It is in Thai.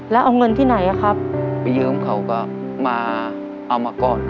แล้วเอาเงินที่ไหนอะครับไปยืมเขาก็มาเอามาก่อน